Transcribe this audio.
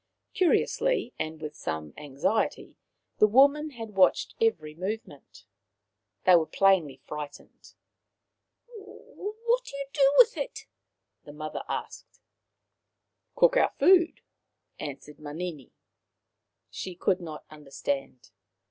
Curiously, and with some anxiety, the women had watched every movement. They were plainly frightened. " What do you do with it ?" the mother asked. " Cook our food," answered Manini. She could not understand.